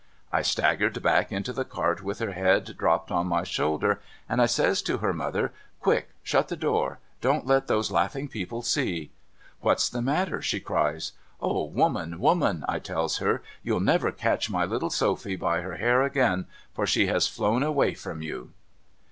I staggered back into the cart with her head dropped on my shoulder, and I says to her mother, ' Quick. Shut the door ! Don't let those laughing people see!' 'What's the matter?' she cries. ' O woman, woman,' I tells her, ' you'll never catch my little Sophy by her hair again, for she has flown away from you